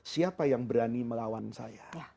siapa yang berani melawan saya